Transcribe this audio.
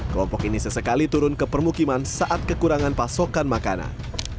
kelompok ini sesekali turun ke permukiman saat kekurangan pasokan makanan